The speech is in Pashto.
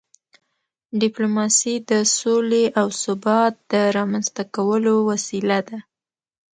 ډیپلوماسي د سولې او ثبات د رامنځته کولو وسیله ده.